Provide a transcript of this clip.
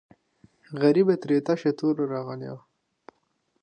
غریبه ترې تشه توره راغلې وه.